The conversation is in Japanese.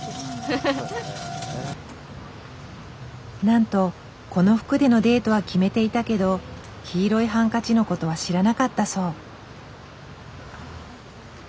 なんとこの服でのデートは決めていたけど黄色いハンカチのことは知らなかったそう。